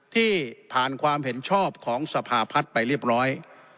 ที่ผ่านความเห็นชอบของสภาพัฒน์ไปเรียบร้อย